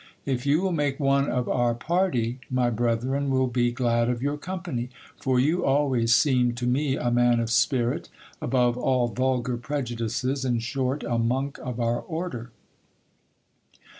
If you will make one of our party, my brethren will be glad of your company ; for you always seemed to me a man of spirit, above all vulgar prejudices, in short, a monk of our order.